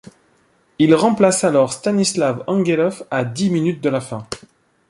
Il remplace alors Stanislav Anguelov à dix minutes de la fin.